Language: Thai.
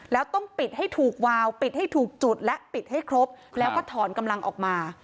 แล้วต้องปิดให้ถูกวาวปิดให้ถูกจุดและปิดให้ครบแล้วก็ถอนกำลังออกมา